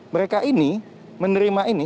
mereka ini menerima ini